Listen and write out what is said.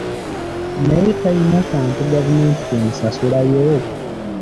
Naye talina kantu gavumenti k'emusasula yo!